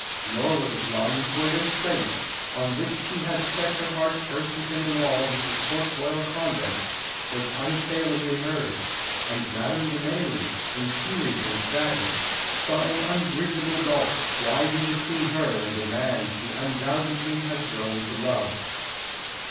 Nor was it long before this place, on which she had set her heart first within the walls of the Port Royal Convent, was unassailably hers; and Madame de Mailly, in tears and sadness, saw an unbridgeable gulf widen between her and the man she undoubtedly had grown to love.